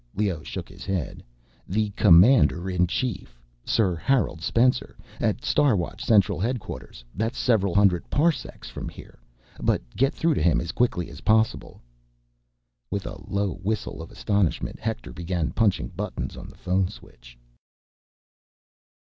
Leoh shook his head. "The Commander in Chief, Sir Harold Spencer. At Star Watch Central Headquarters. That's several hundred parsecs from here. But get through to him as quickly as possible." With a low whistle of astonishment, Hector began punching buttons on the phone switch.